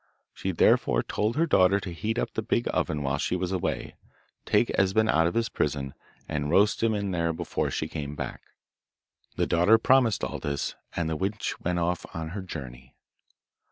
She therefore told her daughter to heat up the big oven while she was away, take Esben out of his prison, and roast him in there before she came back. The daughter promised all this, and the witch went off on her journey.